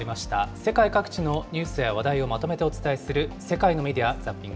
世界各地のニュースや話題をまとめてお伝えする、世界のメディア